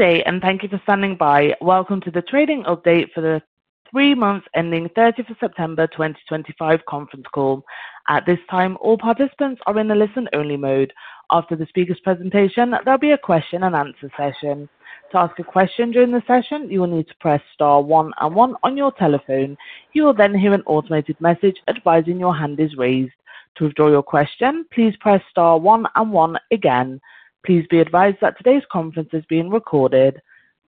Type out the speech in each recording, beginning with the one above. Day, and thank you for standing by. Welcome to the trading update for the three months ending 30th of September 2025 conference call. At this time, all participants are in a listen-only mode. After the speaker's presentation, there'll be a question and answer session. To ask a question during the session, you will need to press star one and one on your telephone. You will then hear an automated message advising your hand is raised. To withdraw your question, please press star one and one again. Please be advised that today's conference is being recorded.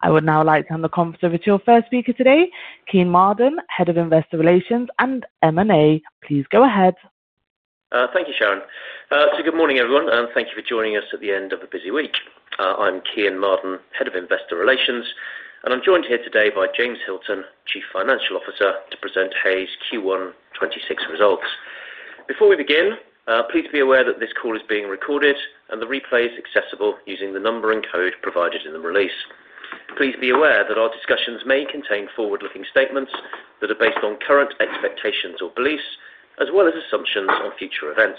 I would now like to hand the conference over to our first speaker today, Kean Marden, Head of Investor Relations and M&A. Please go ahead. Thank you, Sharon. Good morning everyone, and thank you for joining us at the end of a busy week. I'm Kean Marden, Head of Investor Relations, and I'm joined here today by James Hilton, Chief Financial Officer, to present Hays Q1 2026 results. Before we begin, please be aware that this call is being recorded, and the replay is accessible using the number and code provided in the release. Please be aware that our discussions may contain forward-looking statements that are based on current expectations or beliefs, as well as assumptions on future events.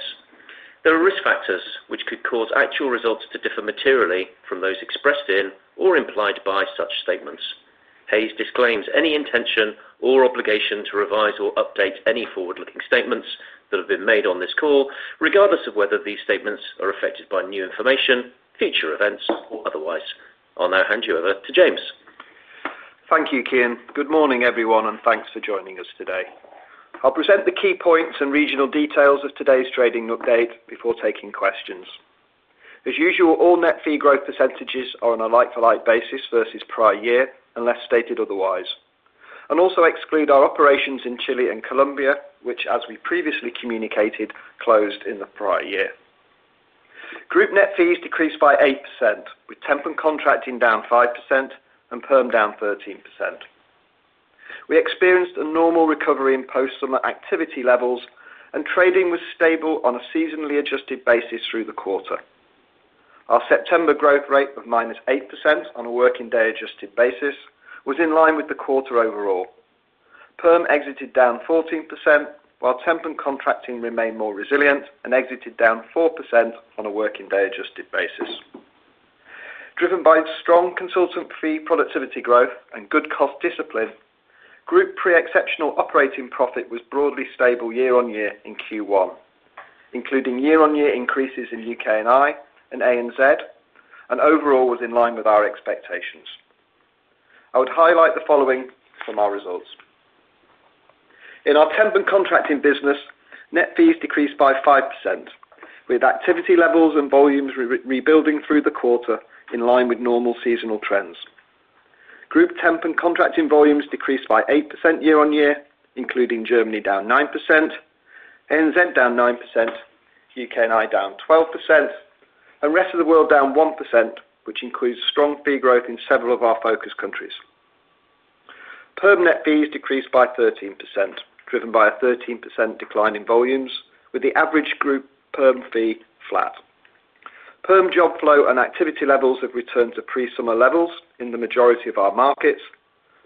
There are risk factors which could cause actual results to differ materially from those expressed in or implied by such statements. Hays disclaims any intention or obligation to revise or update any forward-looking statements that have been made on this call, regardless of whether these statements are affected by new information, future events, or otherwise. I'll now hand you over to James. Thank you, Kean. Good morning everyone, and thanks for joining us today. I'll present the key points and regional details of today's trading update before taking questions. As usual, all net fee growth percentages are on a like-for-like basis versus prior year, unless stated otherwise. They also exclude our operations in Chile and Colombia, which, as we previously communicated, closed in the prior year. Group net fees decreased by 8%, with temporary and contracting down 5% and perm down 13%. We experienced a normal recovery in post-summer activity levels, and trading was stable on a seasonally adjusted basis through the quarter. Our September growth rate of -8% on a working day adjusted basis was in line with the quarter overall. Perm exited down 14%, while temp and contracting remained more resilient and exited down 4% on a working day adjusted basis. Driven by its strong consultant fee productivity growth and good cost discipline, group pre-exceptional operating profit was broadly stable year-on-year in Q1, including year-on-year increases in UK&I and ANZ, and overall was in line with our expectations. I would highlight the following from our results. In our temporary and contracting business, net fees decreased by 5%, with activity levels and volumes rebuilding through the quarter in line with normal seasonal trends. Group tem and contracting volumes decreased by 8% year-on-year, including Germany down 9%, ANZ down 9%, UK&I down 12%, and the rest of world down 1%, which includes strong fee growth in several of our focus countries. Perm net fees decreased by 13%, driven by a 13% decline in volumes, with the average group perm fee flat. Perm job flow and activity levels have returned to pre-summer levels in the majority of our markets,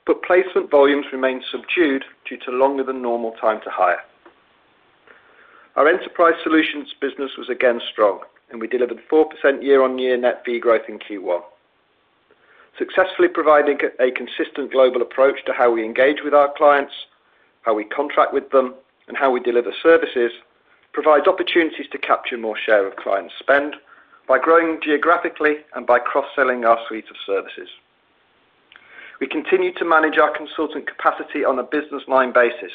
but placement volumes remain subdued due to longer than normal time to hire. Our Enterprise Solutions business was again strong, and we delivered 4% year-on-year net fee growth in Q1. Successfully providing a consistent global approach to how we engage with our clients, how we contract with them, and how we deliver services provides opportunities to capture more share of clients' spend by growing geographically and by cross-selling our suite of services. We continue to manage our consultant capacity on a business line basis,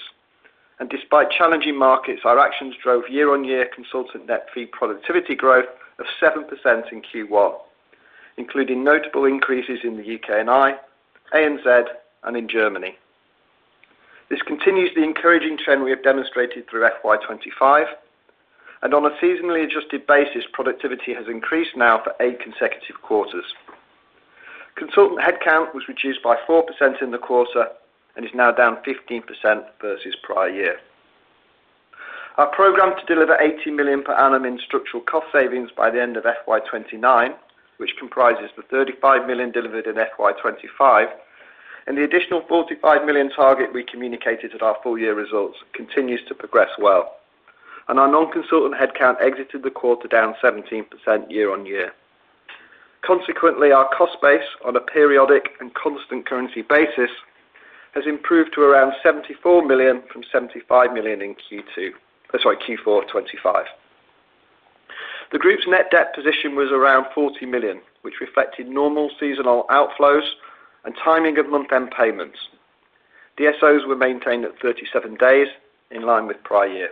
and despite challenging markets, our actions drove year-on-year consultant fee productivity growth of 7% in Q1, including notable the UK&I, ANZ, and in Germany. This continues the encouraging trend we have demonstrated through FY 2025, and on a seasonally adjusted basis, productivity has increased now for eight consecutive quarters. Consultant headcount was reduced by 4% in the quarter and is now down 15% versus prior year. Our program to deliver 18 million per annum in structural cost savings by the end of FY 2029, which comprises the 35 million delivered in FY 2025 and the additional 45 million target we communicated at our full-year results, continues to progress well. Our non-consultant headcount exited the quarter down 17% year-on-year. Consequently, our cost base on a periodic and constant currency basis has improved to around 74 million from 75 million in Q4 of 2025. The group's net debt position was around 40 million, which reflected normal seasonal outflows and timing of month-end payments. DSOs were maintained at 37 days in line with prior year.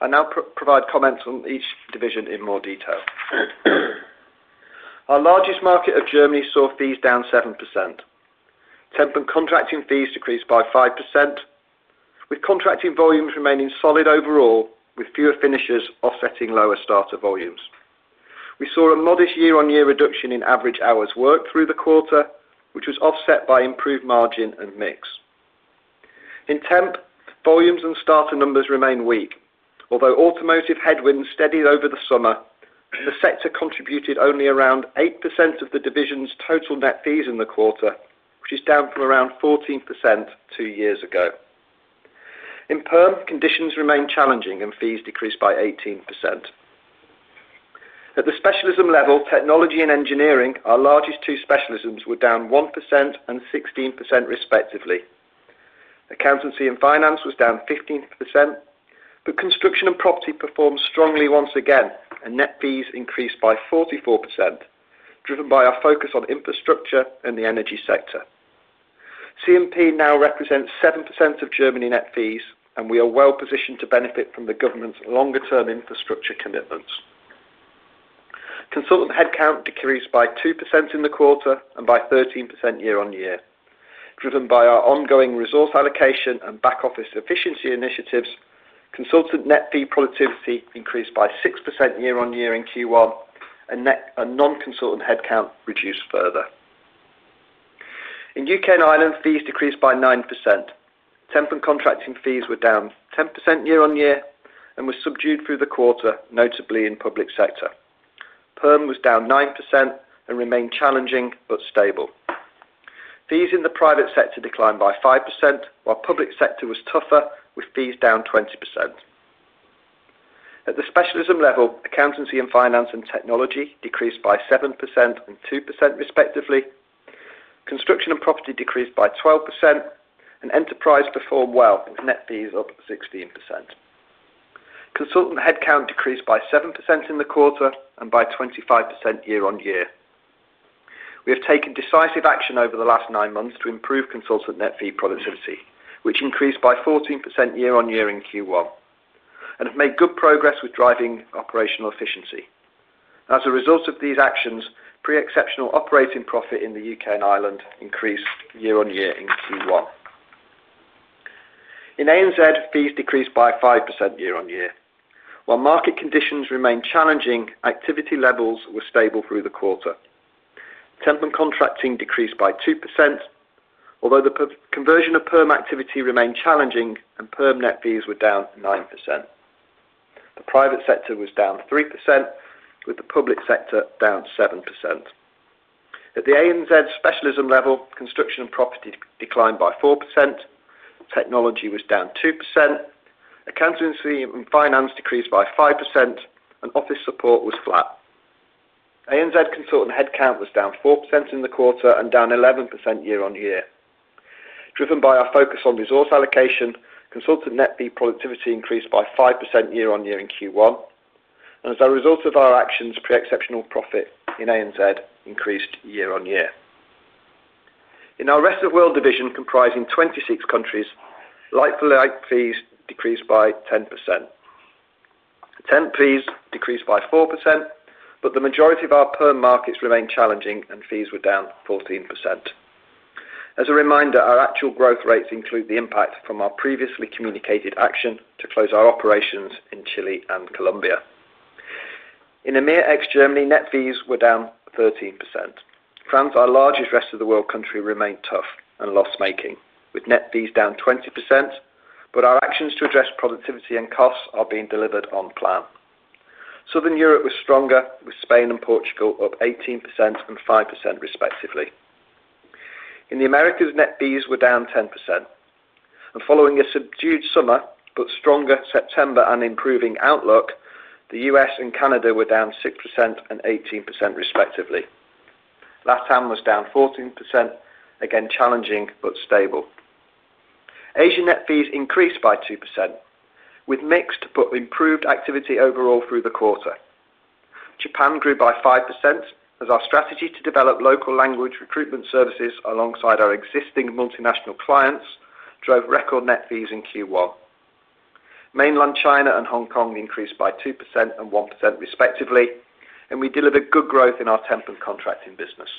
I'll now provide comments on each division in more detail. Our largest market of Germany saw fees down 7%. Temp and contracting fees decreased by 5%, with contracting volumes remaining solid overall, with fewer finishers offsetting lower starter volumes. We saw a modest year-on-year reduction in average hours worked through the quarter, which was offset by improved margin and mix. In temp, volumes and starter numbers remain weak, although automotive headwinds steadied over the summer, and the sector contributed only around 8% of the division's total net fees in the quarter, which is down from around 14% two years ago. In perm, conditions remain challenging, and fees decreased by 18%. At the specialism level, technology and engineering, our largest two specialisms, were down 1% and 16% respectively. Accountancy and finance was down 15%, but construction and property performed strongly once again, and net fees increased by 44%, driven by our focus on infrastructure and the energy sector. C&P now represents 7% of Germany net fees, and we are well positioned to benefit from the government's longer-term infrastructure commitments. Consultant headcount decreased by 2% in the quarter and by 13% year-on-year. Driven by our ongoing resource allocation and back-office efficiency initiatives, consultant fee productivity increased by 6% year-on-year in Q1, and net and non-consultant headcount reduced further. In UK&I, fees decreased by 9%. Temp and contracting fees were down 10% year-on-year and were subdued through the quarter, notably in public sector. Perm was down 9% and remained challenging but stable. Fees in the private sector declined by 5%, while public sector was tougher, with fees down 20%. At the specialism level, accountancy and finance and technology decreased by 7% and 2% respectively. Construction and property decreased by 12%, and Enterprise performed well, with net fees up 16%. Consultant headcount decreased by 7% in the quarter and by 25% year-on-year. We have taken decisive action over the last nine months to improve consultant net fee productivity, which increased by 14% year-on-year in Q1, and have made good progress with driving operational efficiency. As a result of these actions, pre-exceptional operating profit in the U.K. and Ireland increased year-on-year in Q1. In ANZ, fees decreased by 5% year-on-year. While market conditions remain challenging, activity levels were stable through the quarter. Temp and contracting decreased by 2%, although the conversion of perm activity remained challenging, and perm net fees were down 9%. The private sector was down 3%, with the public sector down 7%. At the ANZ specialism level, construction and property declined by 4%. Technology was down 2%. Accountancy and finance decreased by 5%, and office support was flat. ANZ consultant headcount was down 4% in the quarter and down 11% year-on-year. Driven by our focus on resource allocation, consultant net fee productivity increased by 5% year-on-year in Q1, and as a result of our actions, pre-exceptional profit in ANZ increased year-on-year. In our Rest of World division, comprising 26 countries, like-for-like fees decreased by 10%. Temp fees decreased by 4%, but the majority of our perm markets remained challenging, and fees were down 14%. As a reminder, our actual growth rates include the impact from our previously communicated action to close our operations in Chile and Colombia. In EMEA ex-Germany, net fees were down 13%. France, our largest rest of the world country, remained tough and loss-making, with net fees down 20%, but our actions to address productivity and costs are being delivered on plan. Southern Europe was stronger, with Spain and Portugal up 18% and 5% respectively. In the Americas, net fees were down 10%, and following a subdued summer, but stronger September and improving outlook, the U.S. and Canada were down 6% and 18% respectively. LatAm was down 14%, again challenging but stable. Asian net fees increased by 2%, with mixed but improved activity overall through the quarter. Japan grew by 5% as our strategy to develop local language recruitment services alongside our existing multinational clients drove record net fees in Q1. Mainland China and Hong Kong increased by 2% and 1% respectively, and we delivered good growth in our temp and contracting business.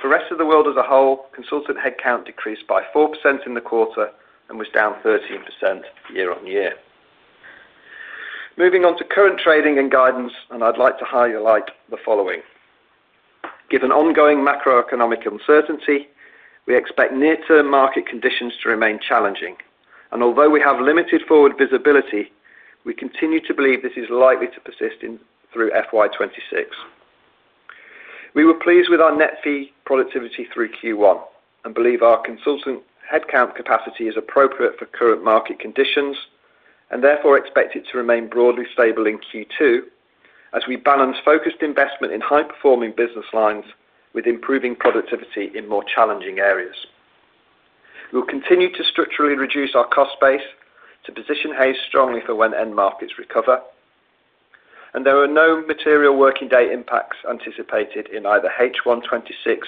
For the rest of the world as a whole, consultant headcount decreased by 4% in the quarter and was down 13% year-on-year. Moving on to current trading and guidance, I'd like to highlight the following. Given ongoing macro-economic uncertainty, we expect near-term market conditions to remain challenging, and although we have limited forward visibility, we continue to believe this is likely to persist through FY 2026. We were pleased with our net fee productivity through Q1 and believe our consultant headcount capacity is appropriate for current market conditions and therefore expected to remain broadly stable in Q2 as we balance focused investment in high-performing business lines with improving productivity in more challenging areas. We will continue to structurally reduce our cost base to position Hays strongly for when end markets recover, and there are no material working day impacts anticipated in either H1 2026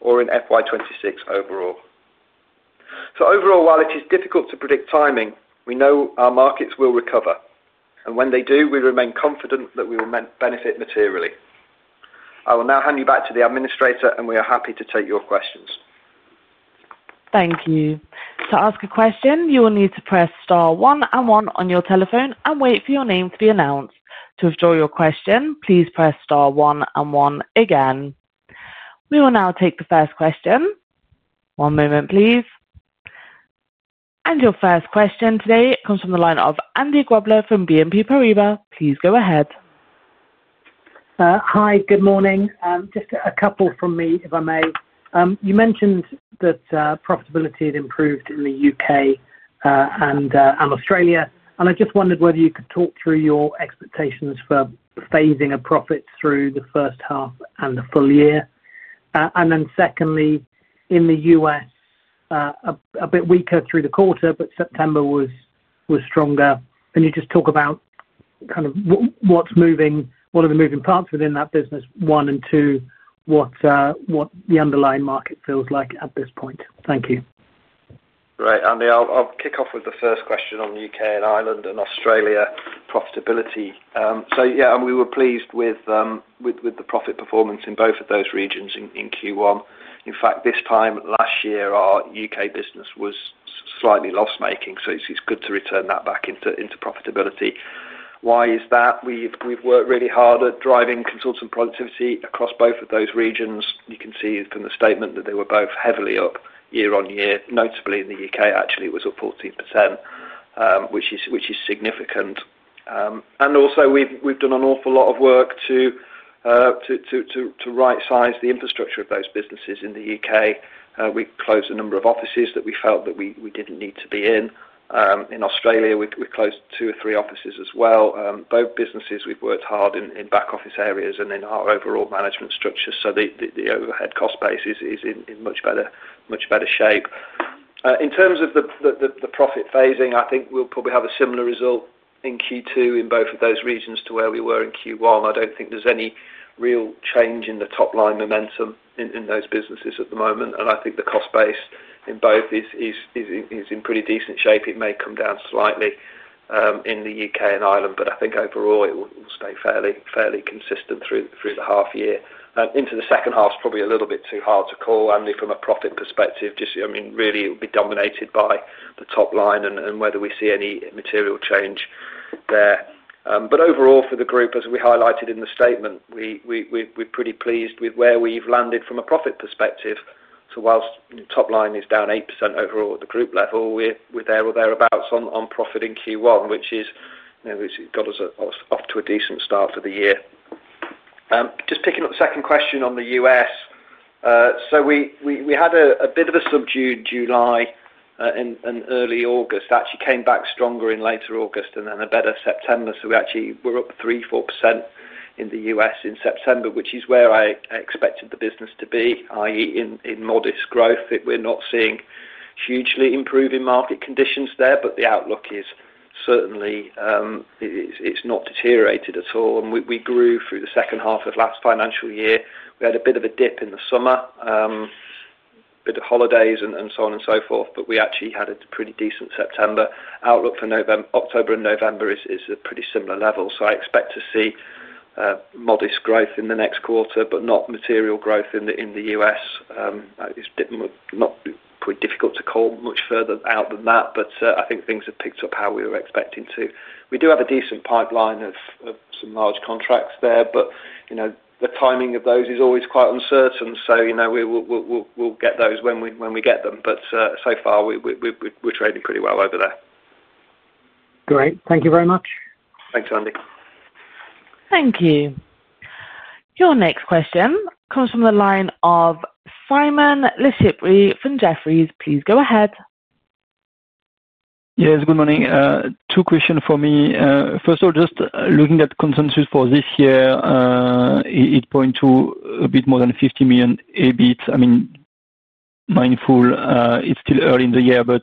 or in FY 2026 overall. Overall, while it is difficult to predict timing, we know our markets will recover, and when they do, we remain confident that we will benefit materially. I will now hand you back to the administrator, and we are happy to take your questions. Thank you. To ask a question, you will need to press star one and one on your telephone and wait for your name to be announced. To withdraw your question, please press star one and one again. We will now take the first question. One moment, please. Your first question today comes from the line of Andy Grobler from BNP Paribas. Please go ahead. Hi, good morning. Just a couple from me, if I may. You mentioned that profitability had the U.K. and Australia, and I just wondered whether you could talk through your expectations for phasing of profit through the first half and the full year. Secondly, in the U.S., a bit weaker through the quarter, but September was stronger. Can you just talk about what's moving, what are the moving parts within that business, and what the underlying market feels like at this point? Thank you. Right, Andy, I'll kick off with the first question on the U.K. and Ireland and Australia profitability. We were pleased with the profit performance in both of those regions in Q1. In fact, this time last our U.K. business was slightly loss-making, so it's good to return that back into profitability. Why is that? We've worked really hard at driving consultant [potency] across both of those regions. You can see from the statement that they were both heavily up year-on-year, notably the U.K. actually it was up 14%, which is significant. We've done an awful lot of work to right-size the infrastructure of those businesses in the U.K. We closed a number of offices that we felt we didn't need to be in. In Australia, we closed two or three offices as well. Both businesses we've worked hard in back-office areas and in our overall management structure, so the overhead cost base is in much better shape. In terms of the profit phasing, I think we'll probably have a similar result in Q2 in both of those regions to where we were in Q1. I don't think there's any real change in the top-line momentum in those businesses at the moment, and I think the cost base in both is in pretty decent shape. It may come down slightly in the U.K. and Ireland, but I think overall it will stay fairly consistent through the half year. Into the second half is probably a little bit too hard to call, Andy, from a profit perspective. I mean, really it'll be dominated by the top line and whether we see any material change there. Overall for the group, as we highlighted in the statement, we're pretty pleased with where we've landed from a profit perspective. Whilst top line is down 8% overall at the group level, we're there or thereabouts on profit in Q1, which is, you know, it's got us off to a decent start for the year. Picking up the second question on the U.S. We had a bit of a subdued July and early August. It actually came back stronger in later August and then a better September. We actually were up 3%, 4% in the U.S. in September, which is where I expected the business to be, i.e., in modest growth. We're not seeing hugely improving market conditions there, but the outlook is certainly, it's not deteriorated at all. We grew through the second half of last financial year. We had a bit of a dip in the summer, a bit of holidays and so on and so forth, but we actually had a pretty decent September. Outlook for October and November is a pretty similar level. I expect to see modest growth in the next quarter, but not material growth in the U.S. It's quite difficult to call much further out than that, but I think things have picked up how we were expecting to. We do have a decent pipeline of some large contracts there, but the timing of those is always quite uncertain. We will get those when we get them. So far, we're trading pretty well over there. Great, thank you very much. Thanks, Andy. Thank you. Your next question comes from the line of Simon Lechipre from Jefferies. Please go ahead. Yes, good morning. Two questions for me. First of all, just looking at the consensus for this year, it points to a bit more than 50 million EBIT. I mean, mindful, it's still early in the year, but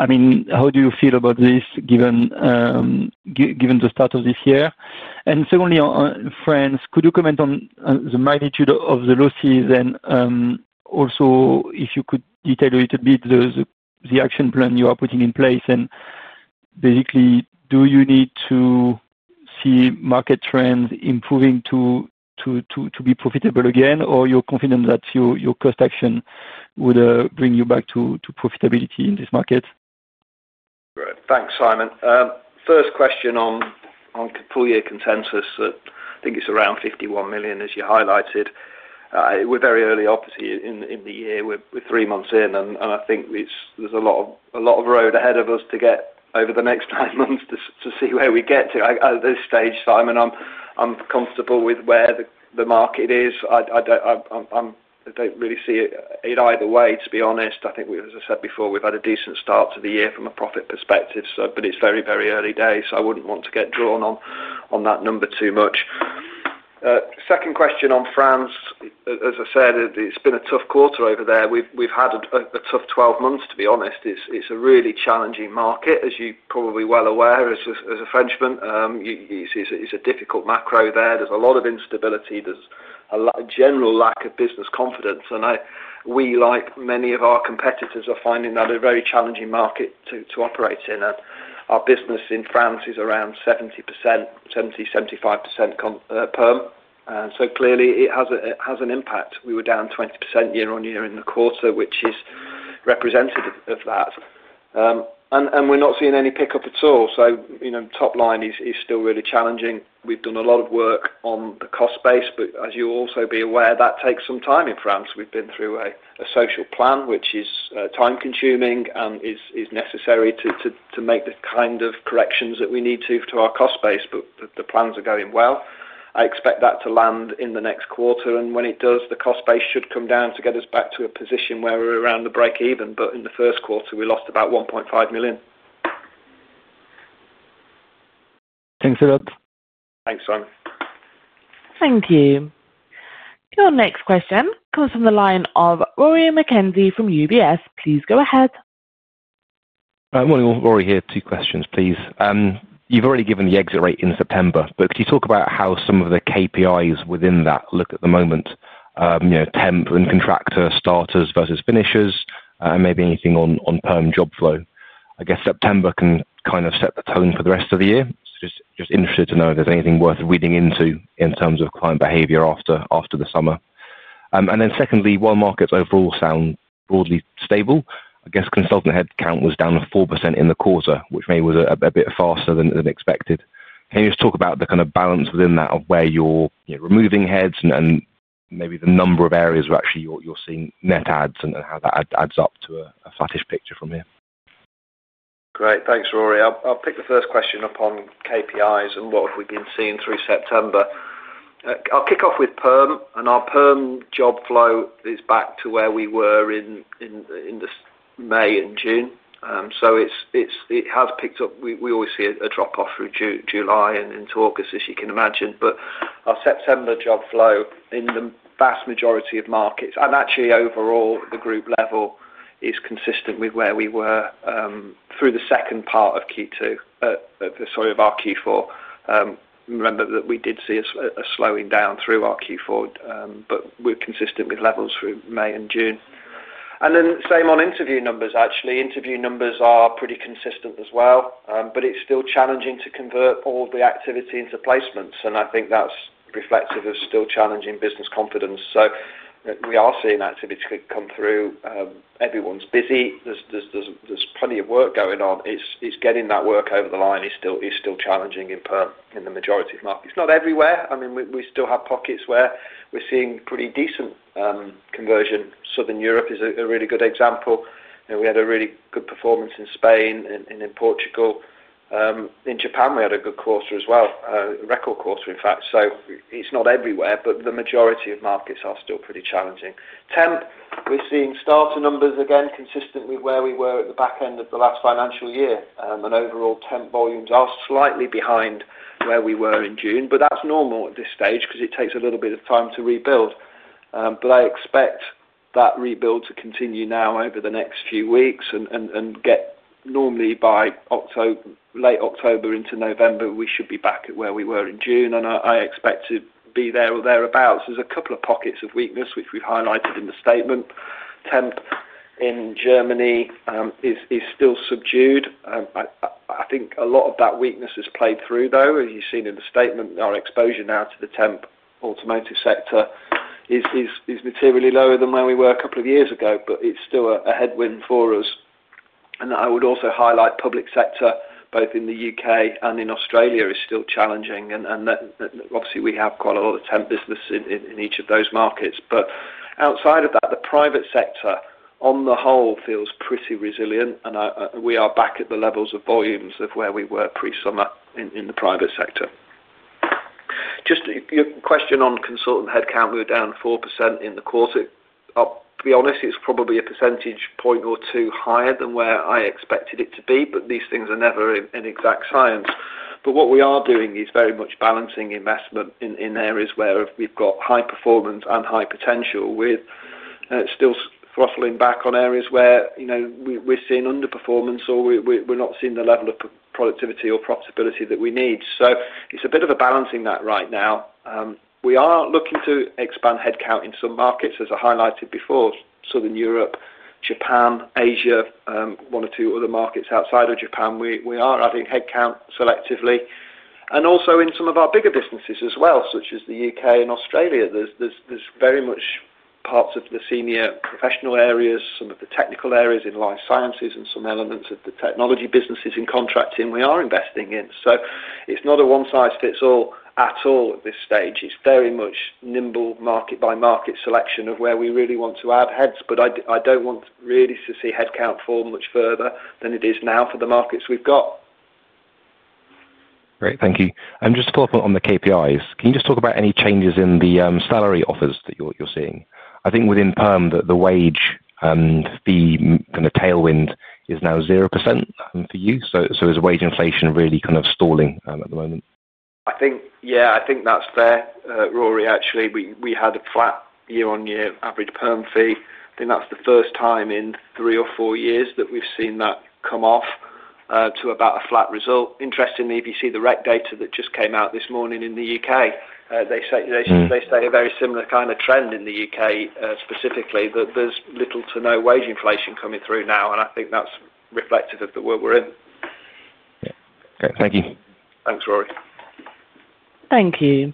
I mean, how do you feel about this given the start of this year? Secondly, France, could you comment on the magnitude of the losses and also if you could detail a little bit the action plan you are putting in place? Basically, do you need to see market trends improving to be profitable again, or are you confident that your cost action would bring you back to profitability in this market? Great. Thanks, Simon. First question on full-year consensus. I think it's around 51 million, as you highlighted. We're very early, obviously, in the year. We're three months in, and I think there's a lot of road ahead of us to get over the next nine months to see where we get to. At this stage, Simon, I'm comfortable with where the market is. I don't really see it either way, to be honest. I think, as I said before, we've had a decent start to the year from a profit perspective, but it's very, very early days. I wouldn't want to get drawn on that number too much. Second question on France. As I said, it's been a tough quarter over there. We've had a tough 12 months, to be honest. It's a really challenging market, as you're probably well aware, as a Frenchman. It's a difficult macro there. There's a lot of instability. There's a general lack of business confidence. We, like many of our competitors, are finding that a very challenging market to operate in. Our business in France is around 70%, 70%-75% perm. Clearly, it has an impact. We were down 20% year-on-year in the quarter, which is representative of that. We're not seeing any pickup at all. Top line is still really challenging. We've done a lot of work on the cost base, but as you'll also be aware, that takes some time in France. We've been through a social plan, which is time-consuming and is necessary to make the kind of corrections that we need to to our cost base, but the plans are going well. I expect that to land in the next quarter. When it does, the cost base should come down to get us back to a position where we're around the break-even. In the first quarter, we lost about 1.5 million. Thanks for that. Thanks, Simon. Thank you. Your next question comes from the line of Rory Mckenzie from UBS. Please go ahead. Morning, Rory here. Two questions, please. You've already given the exit rate in September, but could you talk about how some of the KPIs within that look at the moment? You know, temp and contractor, starters versus finishers, and maybe anything on perm job flow. I guess September can kind of set the tone for the rest of the year. Just interested to know if there's anything worth reading into in terms of client behavior after the summer. Secondly, while markets overall sound broadly stable, I guess consultant headcount was down 4% in the quarter, which maybe was a bit faster than expected. Can you just talk about the kind of balance within that of where you're removing heads and maybe the number of areas where actually you're seeing net adds and how that adds up to a flattish picture from here? Great. Thanks, Rory. I'll pick the first question up on KPIs and what have we been seeing through September. I'll kick off with perm, and our perm job flow is back to where we were in May and June. It has picked up. We always see a drop-off through July and into August, as you can imagine. Our September job flow in the vast majority of markets, and actually overall at the group level, is consistent with where we were through the second part of Q4. Remember that we did see a slowing down through our Q4, but we're consistent with levels through May and June. Same on interview numbers, actually. Interview numbers are pretty consistent as well, but it's still challenging to convert all the activity into placements. I think that's reflective of still challenging business confidence. We are seeing activity come through. Everyone's busy. There's plenty of work going on. Getting that work over the line is still challenging in perm in the majority of markets. Not everywhere. We still have pockets where we're seeing pretty decent conversion. Southern Europe is a really good example. We had a really good performance in Spain and in Portugal. In Japan, we had a good quarter as well, a record quarter, in fact. It's not everywhere, but the majority of markets are still pretty challenging. Temp, we're seeing starter numbers again consistent with where we were at the back end of the last financial year. Overall, temp volumes are slightly behind where we were in June, but that's normal at this stage because it takes a little bit of time to rebuild. I expect that rebuild to continue now over the next few weeks. Normally by late October into November, we should be back at where we were in June. I expect to be there or thereabouts. There's a couple of pockets of weakness, which we've highlighted in the statement. Temp in Germany is still subdued. I think a lot of that weakness has played through, though, as you've seen in the statement. Our exposure now to the temp automotive sector is materially lower than where we were a couple of years ago, but it's still a headwind for us. I would also highlight public sector, both in the U.K. and in Australia, is still challenging. Obviously, we have quite a lot of temp business in each of those markets. Outside of that, the private sector on the whole feels pretty resilient, and we are back at the levels of volumes of where we were pre-summer in the private sector. Just your question on consultant headcount. We were down 4% in the quarter. I'll be honest, it's probably a percentage point or two higher than where I expected it to be, but these things are never an exact science. What we are doing is very much balancing investment in areas where we've got high performance and high potential. We're still throttling back on areas where we're seeing underperformance or we're not seeing the level of productivity or profitability that we need. It's a bit of a balancing that right now. We are looking to expand headcount in some markets, as I highlighted before, Southern Europe, Japan, Asia, one or two other markets outside of Japan. We are adding headcount selectively. Also in some of our bigger businesses as well, such as the U.K. and Australia. There's very much parts of the senior professional areas, some of the technical areas in life sciences, and some elements of the technology businesses in contracting we are investing in. It's not a one-size-fits-all at all at this stage. It's very much nimble market-by-market selection of where we really want to add heads. I don't want really to see headcount fall much further than it is now for the markets we've got. Great. Thank you. Just to follow up on the KPIs, can you talk about any changes in the salary offers that you're seeing? I think within perm, the wage and fee kind of tailwind is now 0% for you. Is wage inflation really kind of stalling at the moment? I think that's there, Rory. Actually, we had a flat year-on-year average perm fee. I think that's the first time in three or four years that we've seen that come off to about a flat result. Interestingly, if you see the rec data that just came out this morning in the U.K., they say a very similar kind of trend in the U.K. specifically, that there's little to no wage inflation coming through now. I think that's reflective of the world we're in. Thank you. Thanks, Rory. Thank you.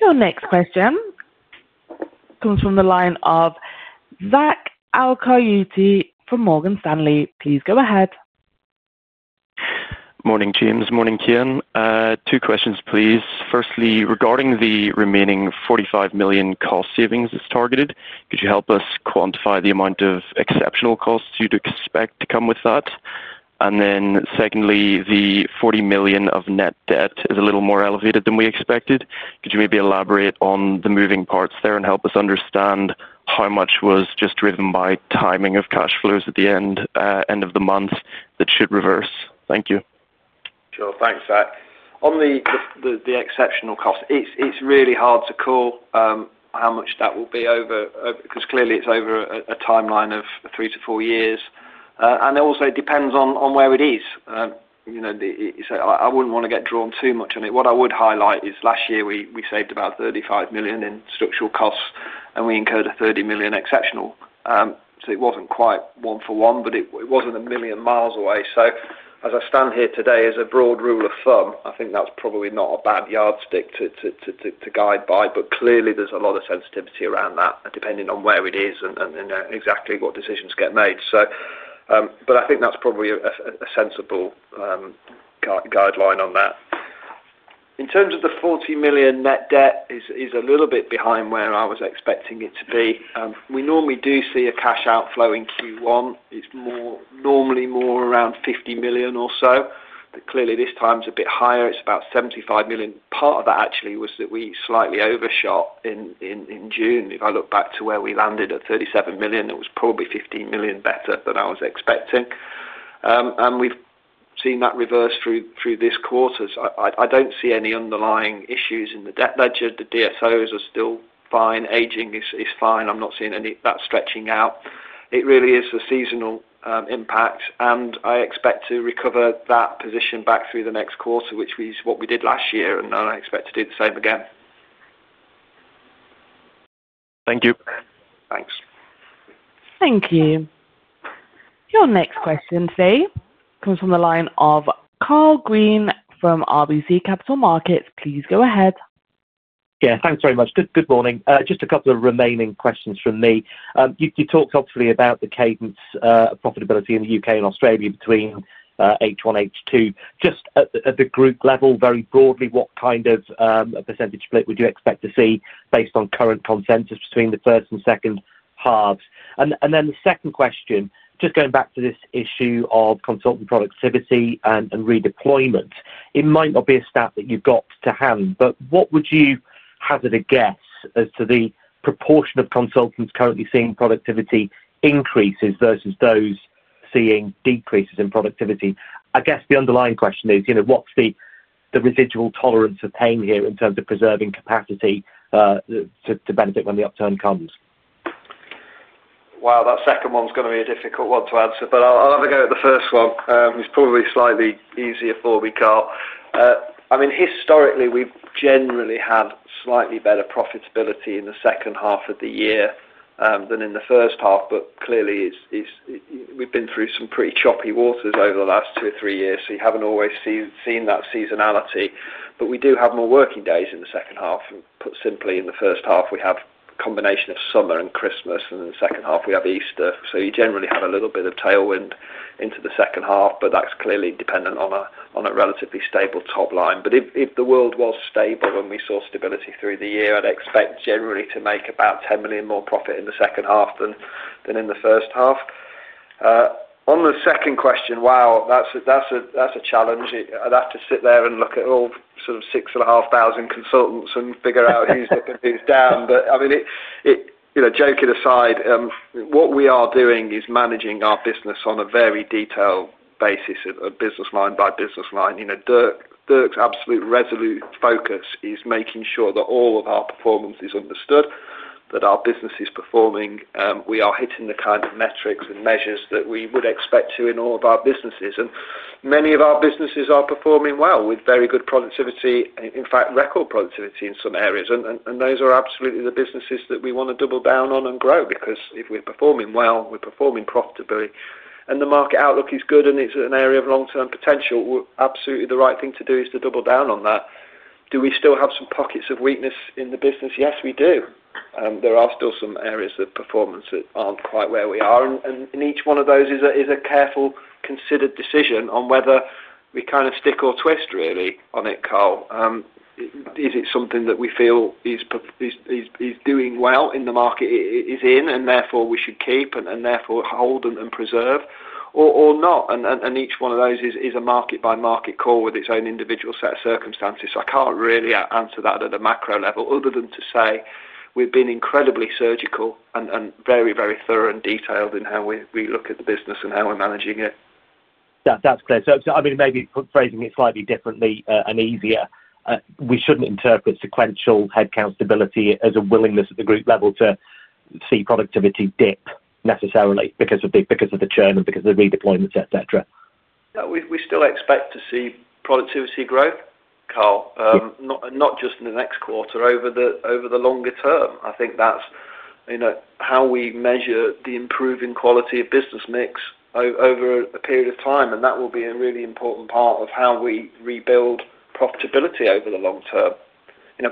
Your next question comes from the line of Zach Al-Qaryooti from Morgan Stanley. Please go ahead. Morning, James. Morning, Kean. Two questions, please. Firstly, regarding the remaining 45 million cost savings that's targeted, could you help us quantify the amount of exceptional costs you'd expect to come with that? Secondly, the 40 million of net debt is a little more elevated than we expected. Could you maybe elaborate on the moving parts there and help us understand how much was just driven by timing of cash flows at the end of the month that should reverse? Thank you. Sure. Thanks, Zach. On the exceptional cost, it's really hard to call how much that will be because clearly it's over a timeline of three to four years. It also depends on where it is. I wouldn't want to get drawn too much on it. What I would highlight is last year we saved about 35 million in structural costs, and we incurred a 30 million exceptional. It wasn't quite one-for-one, but it wasn't a million miles away. As I stand here today, as a broad rule of thumb, I think that's probably not a bad yardstick to guide by. Clearly, there's a lot of sensitivity around that depending on where it is and exactly what decisions get made. I think that's probably a sensible guideline on that. In terms of the 40 million net debt, it's a little bit behind where I was expecting it to be. We normally do see a cash outflow in Q1. It's normally more around 50 million or so, but clearly this time it's a bit higher. It's about 75 million. Part of that actually was that we slightly overshot in June. If I look back to where we landed at 37 million, it was probably 15 million better than I was expecting. We've seen that reverse through this quarter. I don't see any underlying issues in the debt ledger. The DSOs are still fine. Aging is fine. I'm not seeing any of that stretching out. It really is a seasonal impact. I expect to recover that position back through the next quarter, which is what we did last year, and I expect to do the same again. Thank you. Thanks. Thank you. Your next question, please, comes from the line of Karl Green from RBC Capital Markets. Please go ahead. Yeah, thanks very much. Good morning. Just a couple of remaining questions from me. You talked obviously about the cadence of profitability in the U.K. and Australia between H1, H2. Just at the group level, very broadly, what kind of percentage split would you expect to see based on current consensus between the first and second halves? The second question, just going back to this issue of consultant productivity and redeployment, it might not be a stat that you've got to hand, but what would you hazard a guess as to the proportion of consultants currently seeing productivity increases versus those seeing decreases in productivity? I guess the underlying question is, you know, what's the residual tolerance of pain here in terms of preserving capacity to benefit when the upturn comes? That second one's going to be a difficult one to answer, but I'll have a go at the first one. It's probably slightly easier for me, Karl. I mean, historically, we've generally had slightly better profitability in the second half of the year than in the first half, but clearly, we've been through some pretty choppy waters over the last two or three years, so you haven't always seen that seasonality. We do have more working days in the second half. Put simply, in the first half, we have a combination of summer and Christmas, and in the second half, we have Easter. You generally have a little bit of tailwind into the second half, but that's clearly dependent on a relatively stable top line. If the world was stable and we saw stability through the year, I'd expect generally to make about 10 million more profit in the second half than in the first half. On the second question, that's a challenge. I'd have to sit there and look at all sort of 6,500 consultants and figure out who's up and who's down. Joking aside, what we are doing is managing our business on a very detailed basis, a business line by business line. Dirk's absolute resolute focus is making sure that all of our performance is understood, that our business is performing, and we are hitting the kind of metrics and measures that we would expect to in all of our businesses. Many of our businesses are performing well with very good productivity, in fact, record productivity in some areas. Those are absolutely the businesses that we want to double down on and grow because if we're performing well, we're performing profitably, and the market outlook is good and it's an area of long-term potential, absolutely the right thing to do is to double down on that. Do we still have some pockets of weakness in the business? Yes, we do. There are still some areas of performance that aren't quite where we are. In each one of those is a careful, considered decision on whether we kind of stick or twist, really, on it, Karl. Is it something that we feel is doing well in the market it is in, and therefore we should keep and therefore hold and preserve, or not? Each one of those is a market-by-market call with its own individual set of circumstances. I can't really answer that at a macro level other than to say we've been incredibly surgical and very, very thorough and detailed in how we look at the business and how we're managing it. That's clear. Maybe phrasing it slightly differently and easier, we shouldn't interpret sequential headcount stability as a willingness at the group level to see productivity dip necessarily because of the churn and because of the redeployments, etc. No, we still expect to see productivity growth, Karl, not just in the next quarter, over the longer term. I think that's how we measure the improving quality of business mix over a period of time. That will be a really important part of how we rebuild profitability over the long term.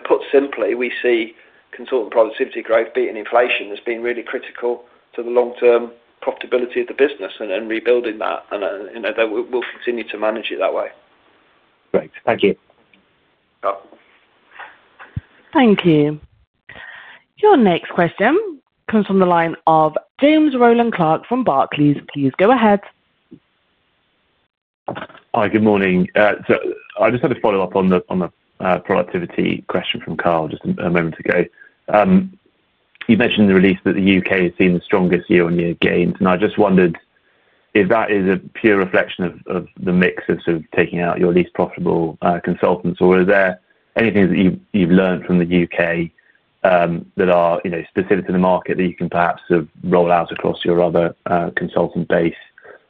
Put simply, we see consultant fee productivity growth, be it in inflation, as being really critical to the long-term profitability of the business and rebuilding that. We'll continue to manage it that way. Great. Thank you. Thank you. Your next question comes from the line of James Rowland Clark from Barclays. Please go ahead. Hi, good morning. I just had a follow-up on the productivity question from Karl just a moment ago. You mentioned the release that the U.K. has seen the strongest year-on-year gains. I just wondered if that is a pure reflection of the mix of sort of taking out your least profitable consultants, or is there anything that you've learned from the U.K. that are specific to the market that you can perhaps roll out across your other consultant base?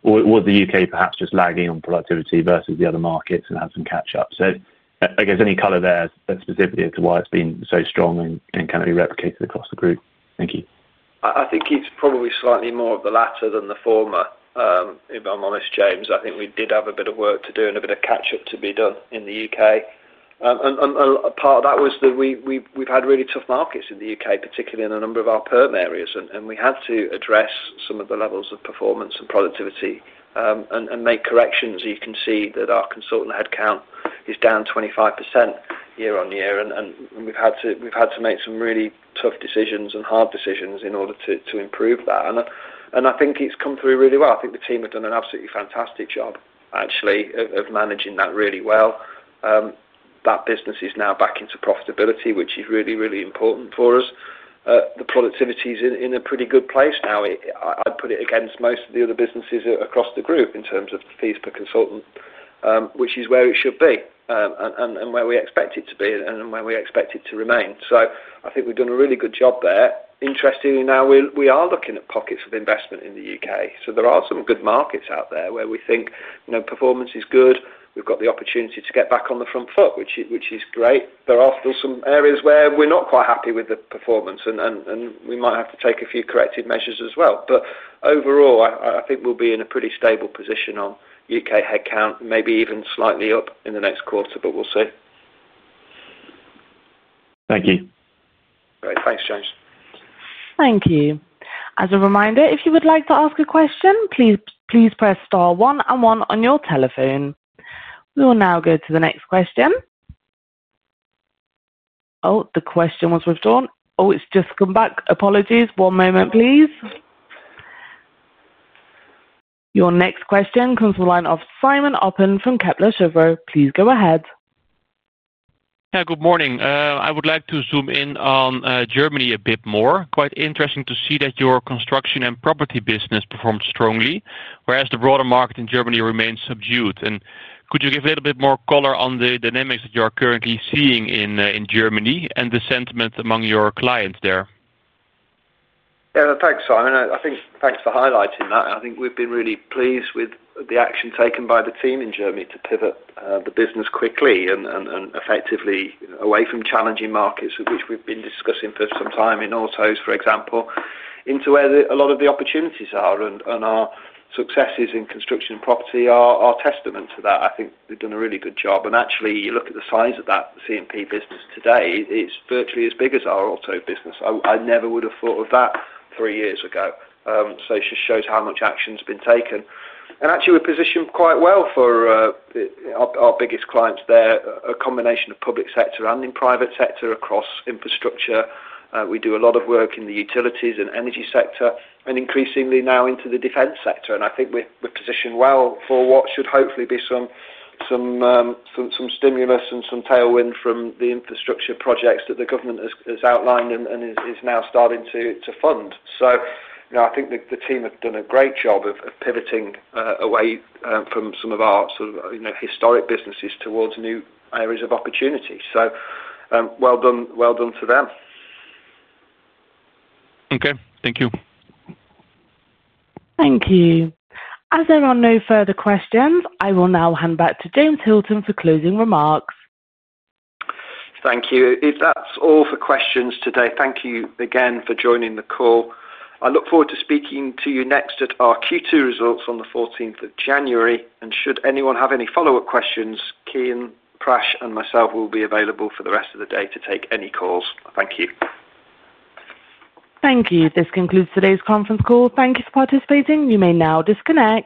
Was the U.K. perhaps just lagging on productivity versus the other markets and had some catch-ups? I guess any color there specifically as to why it's been so strong and can it be replicated across the group? Thank you. I think it's probably slightly more of the latter than the former, if I'm honest, James. I think we did have a bit of work to do and a bit of catch-up to be done in the U.K. Part of that was that we've had really tough markets in the U.K., particularly in a number of our perm areas. We had to address some of the levels of performance and productivity and make corrections. You can see that our consultant headcount is down 25% year-on-year. We've had to make some really tough decisions and hard decisions in order to improve that. I think it's come through really well. I think the team have done an absolutely fantastic job, actually, of managing that really well. That business is now back into profitability, which is really, really important for us. The productivity is in a pretty good place now. I'd put it against most of the other businesses across the group in terms of fees per consultant, which is where it should be and where we expect it to be and where we expect it to remain. I think we've done a really good job there. Interestingly, now we are looking at pockets of investment in the U.K. There are some good markets out there where we think performance is good. We've got the opportunity to get back on the front foot, which is great. There are still some areas where we're not quite happy with the performance, and we might have to take a few corrective measures as well. Overall, I think we'll be in a pretty stable position on U.K. headcount, maybe even slightly up in the next quarter, but we'll see. Thank you. Great. Thanks, James. Thank you. As a reminder, if you would like to ask a question, please press star one and one on your telephone. We will now go to the next question. The question was withdrawn. It's just come back. Apologies. One moment, please. Your next question comes from the line of Simon Oppen from Kepler Cheuvreux. Please go ahead. Good morning. I would like to zoom in on Germany a bit more. Quite interesting to see that your construction and property business performed strongly, whereas the broader market in Germany remains subdued. Could you give a little bit more color on the dynamics that you are currently seeing in Germany and the sentiment among your clients there? Yeah, thanks, Simon. Thanks for highlighting that. I think we've been really pleased with the action taken by the team in Germany to pivot the business quickly and effectively away from challenging markets, of which we've been discussing for some time in autos, for example, into where a lot of the opportunities are. Our successes in construction and property are a testament to that. I think they've done a really good job. You look at the size of that C&P business today, it's virtually as big as our auto business. I never would have thought of that three years ago. It just shows how much action's been taken. We're positioned quite well for our biggest clients there, a combination of public sector and private sector across infrastructure. We do a lot of work in the utilities and energy sector and increasingly now into the defense sector. I think we're positioned well for what should hopefully be some stimulus and some tailwind from the infrastructure projects that the government has outlined and is now starting to fund. I think the team have done a great job of pivoting away from some of our sort of historic businesses towards new areas of opportunity. Well done, well done to them. Okay, thank you. Thank you. As there are no further questions, I will now hand back to James Hilton for closing remarks. Thank you. If that's all for questions today, thank you again for joining the call. I look forward to speaking to you next at our Q2 results on the 14th of January. Should anyone have any follow-up questions, Kean, Prash, and myself will be available for the rest of the day to take any calls. Thank you. Thank you. This concludes today's conference call. Thank you for participating. You may now disconnect.